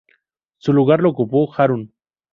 Su lugar lo ocupó Harun.